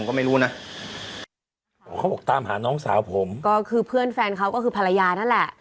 ก็ไม่รู้นะอ๋อเขาบอกตามหาน้องสาวผมก็คือเพื่อนแฟนเขาก็คือภรรยานั่นแหละ